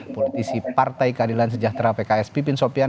politisi partai keadilan sejahtera pks pipin sopian